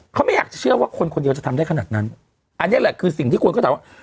เขาไม่อยากจะเชื่อว่าคนคนเดียวจะทำได้ขนาดนั้นอันนี้แหละคือสิ่งที่คนก็ถามว่า